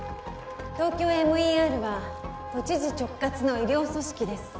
ＴＯＫＹＯＭＥＲは都知事直轄の医療組織です